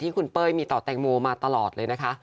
คุณเป้ยมีต่อแตงโมมาตลอดเลยนะคะ